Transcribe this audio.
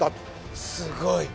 すごい。